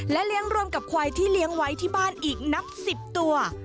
เลี้ยงรวมกับควายที่เลี้ยงไว้ที่บ้านอีกนับ๑๐ตัว